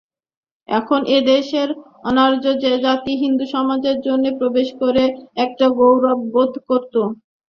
তখন এ দেশের অনার্য জাতি হিন্দুসমাজের মধ্যে প্রবেশ করে একটা গৌরব বোধ করত।